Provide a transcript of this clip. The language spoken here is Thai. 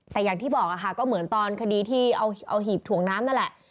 แต่อย่างที่บอกค่ะก็เหมือนตอนคดีที่เอาหีบถ่วงน้ำนั่นแหละ